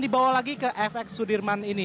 dibawa lagi ke fx sudirman ini